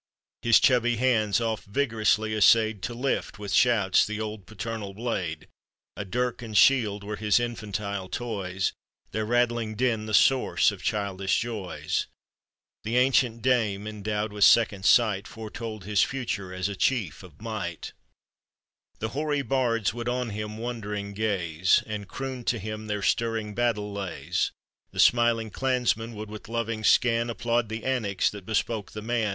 His chubby hands oft vigorously clayed To lift, with shouts, the old paternal blade. A dirk and shield were his infantile toy*, Their rattling din the source of childioh joy*. The ancient dame, endowed with second Bight, Foretold his future as a chief of might; The hoary bards would1 on him wondering gaze, And croon to him their stirring buttle lay*; The smiling clansmen would, with loving scan. Applaud the antics. that bespoke the num.